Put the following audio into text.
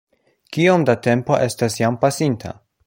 Kiom da tempo estas jam pasinta?